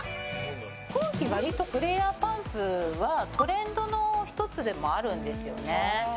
今季、割とフレアパンツはトレンドの一つでもあるんですよね。